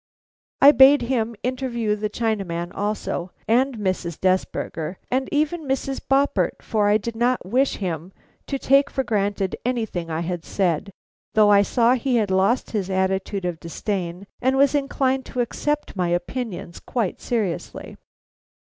And I bade him interview the Chinaman also, and Mrs. Desberger, and even Mrs. Boppert, for I did not wish him to take for granted anything I had said, though I saw he had lost his attitude of disdain and was inclined to accept my opinions quite seriously.